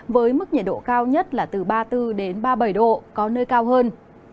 với mức nhiệt độ cao nhất là từ ba mươi bốn đến ba mươi bảy độ có nơi cao hơn